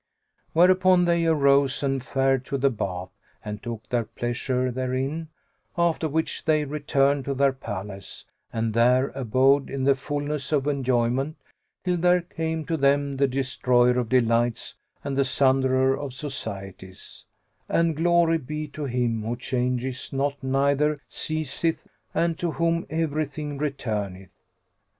'"[FN#81] Whereupon they arose and fared to the bath and took their pleasure therein; after which they returned to their palace and there abode in the fulness of enjoyment, till there came to them the Destroyer of Delights and the Sunderer of societies; and glory be to Him who changeth not neither ceaseth, and to whom everything returneth!